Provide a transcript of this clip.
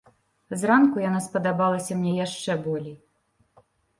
Зранку яна спадабалася мне яшчэ болей.